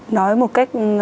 nói một cách